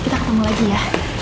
kita ketemu lagi ya